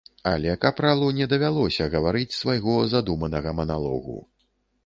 Але капралу не давялося гаварыць свайго задуманага маналогу.